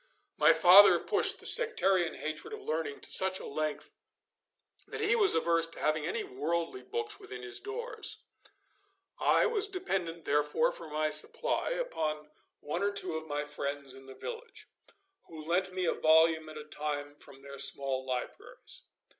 My father pushed the sectarian hatred of learning to such a length that he was averse to having any worldly books within his doors. (Note A, Appendix) I was dependent therefore for my supply upon one or two of my friends in the village, who lent me a volume at a time from their small libraries.